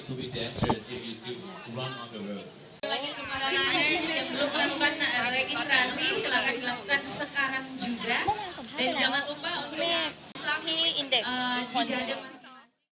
ก็มีความสุขที่เราต้องการขอบคุณมากเลยนะครับ